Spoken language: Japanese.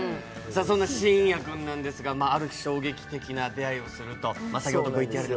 そんな信也君なんですが、ある衝撃的な出会いをすると。